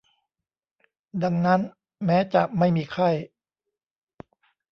ดังนั้น แม้จะไม่มีไข้